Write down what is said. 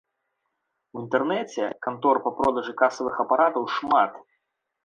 У інтэрнэце кантор па продажы касавых апаратаў шмат.